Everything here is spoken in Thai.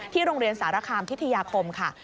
โรงเรียนสารคามพิทยาคมค่ะ